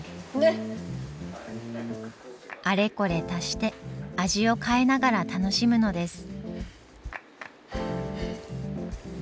あれこれ足して味を変えながら楽しむのです。